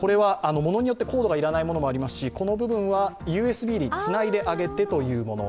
ものによってコードが要らないものもありますが、この部分はＵＳＢにつないであげてというもの。